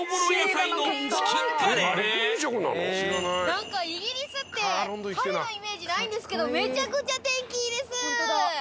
何かイギリスって晴れのイメージないんですけどめちゃくちゃ天気いいです。